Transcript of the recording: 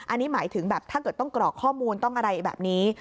อันนี้หมายถึงแบบถ้าเกิดต้องกรอกข้อมูลต้องอะไรแบบนี้